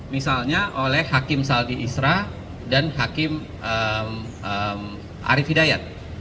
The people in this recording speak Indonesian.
misalnya oleh hakim saldi isra dan hakim arief hidayat